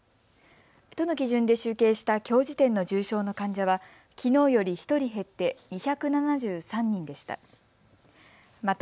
都の基準で集計したきょう時点の重症の患者はきのうより１人減って、２７３人でした。